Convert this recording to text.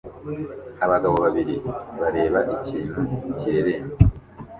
Abagabo babiri bareba ikintu kireremba